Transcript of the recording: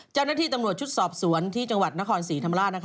เจ้าหน้าที่ตำรวจชุดสอบสวนที่จังหวัดนครศรีธรรมราช